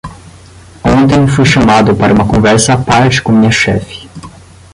Ontem fui chamado para uma conversa à parte com minha chefe.